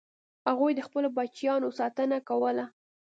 هغوی د خپلو بچیانو ساتنه کوله.